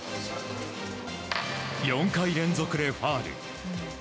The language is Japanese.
４回連続でファウル。